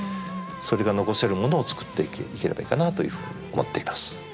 それが残せるものを作っていければいいかなというふうに思っています。